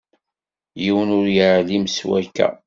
Yiwen ur yeɛlim s wakka.